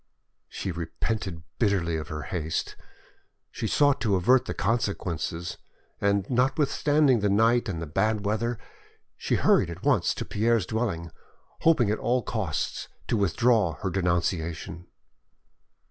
She repented bitterly of her haste, she sought to avert the consequences, and notwithstanding the night and the bad weather, she hurried at once to Pierre's dwelling, hoping at all costs to withdraw her denunciation.